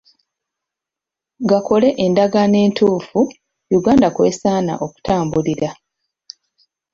Gakole endagaano entuufu Uganda kw'esaana okutambulira.